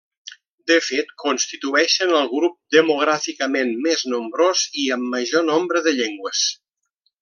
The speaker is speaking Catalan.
De fet constitueixen el grup demogràficament més nombrós i amb major nombre de llengües.